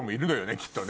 きっとね。